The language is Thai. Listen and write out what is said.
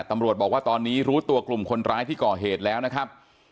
ตำรวจบอกว่าตอนนี้รู้ตัวกลุ่มคนร้ายที่ก่อเหตุแล้วนะครับ